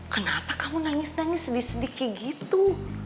kenapa kamu nangis nangis sedih sedih kaya gitu